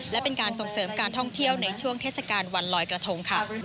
และเป็นการส่งเสริมการท่องเที่ยวในช่วงเทศกาลวันลอยกระทงค่ะ